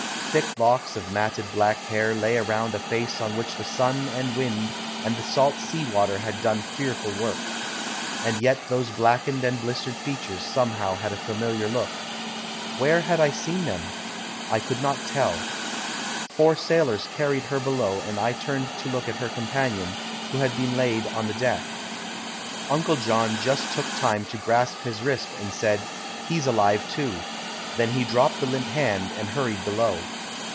Thick locks of matted black hair lay around a face on which the sun and wind and the salt sea water had done fearful work. And yet those blackened and blistered features somehow had a familiar look. Where had I seen them? I could not tell. Four sailors carried her below and I turned to look at her companion, who had been laid on the deck. Uncle John just took time to grasp his wrist and said, "He's alive, too"; then he dropped the limp hand and hurried below.